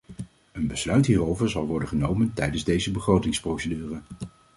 Een besluit hierover zal worden genomen tijdens deze begrotingsprocedure.